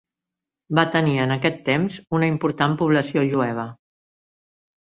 Va tenir en aquest temps una important població jueva.